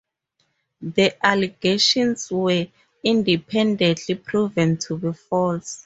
The allegations were independently proven to be false.